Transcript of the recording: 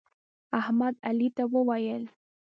احمد علي ته وویل: